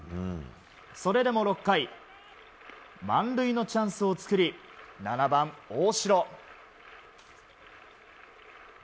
それでも６回満塁のチャンスを作り７番、大城。